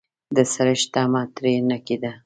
د سړښت تمه ترې نه کېده.